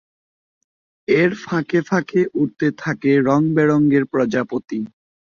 এর ফাঁকে ফাঁকে উড়তে থাকে রং-বেরঙের প্রজাপতি।